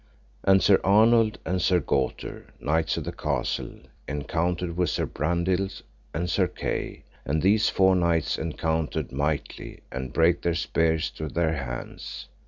And Sir Arnold and Sir Gauter, knights of the castle, encountered with Sir Brandiles and Sir Kay, and these four knights encountered mightily, and brake their spears to their hands.